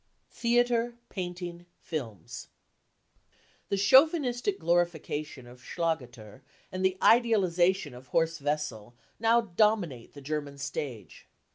Theatre — Painting — Films. The chauvinistic glorifica tion of Schlageter and the idealisation of Horst Wessel now dominate the German stage.